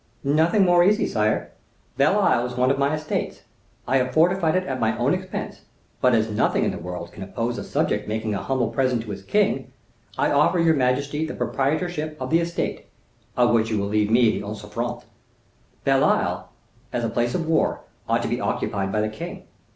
"Nothing more easy, sire; Belle Isle is one of my estates; I have fortified it at my own expense. But as nothing in the world can oppose a subject making an humble present to his king, I offer your majesty the proprietorship of the estate, of which you will leave me the usufruct. Belle Isle, as a place of war, ought to be occupied by the king.